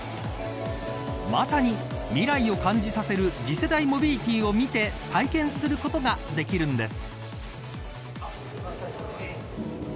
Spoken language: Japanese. まさに未来を感じさせる次世代モビリティを見て体験することができるんです。